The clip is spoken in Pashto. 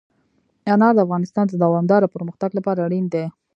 انار د افغانستان د دوامداره پرمختګ لپاره اړین دي.